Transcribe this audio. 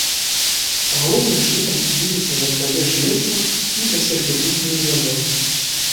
Галоўным чынам, судзіліся за крадзеж лесу і за сервітутную зямлю.